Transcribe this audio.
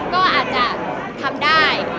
ก็อาจจะทำได้